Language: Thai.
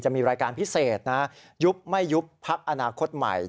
มีรายการพิเศษนะยุบไม่ยุบพักอนาคตใหม่